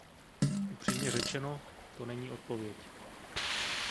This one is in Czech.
Upřímně řečeno, to není odpověď.